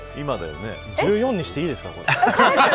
１４にしていいですか、これ。